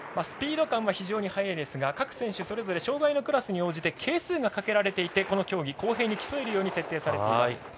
スピード感は非常に速いですが各選手それぞれ障がいのクラスに応じて係数がかけられていてこの競技は公平に競えるよう設定されています。